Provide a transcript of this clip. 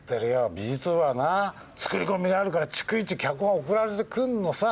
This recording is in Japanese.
美術部はなつくり込みがあるから逐一脚本送られてくんのさ。